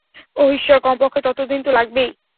ওহ, ঈশ্বর, কমপক্ষে ততদিন তো লাগবেই।